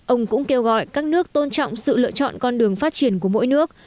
ông cũng kêu gọi các nước tôn trọng sự lựa chọn con đường phát triển của mỗi nước